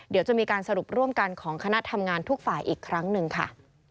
เดี๋ยวจะมีการสรุปร่วมกันของคณะทำงานทุกฝ่ายอีกครั้งหนึ่งค่ะ